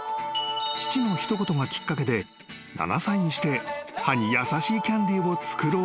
父の一言がきっかけで７歳にして歯に優しいキャンディーを作ろうと決めたのだ］